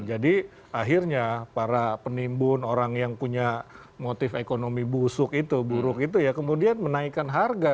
jadi akhirnya para penimbun orang yang punya motif ekonomi busuk itu buruk itu ya kemudian menaikan harga